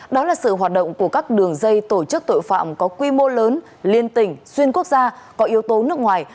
đó là sự hoạt động của các đường dây tổ chức tội phạm có quy mô lớn liên tỉnh xuyên quốc gia có yếu tố nước ngoài